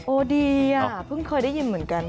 โอเดียเพิ่งเคยได้ยินเหมือนกัน